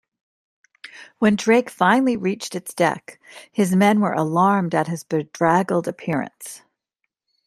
When Drake finally reached its deck, his men were alarmed at his bedraggled appearance.